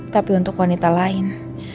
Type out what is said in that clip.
tapi untuk wanita lain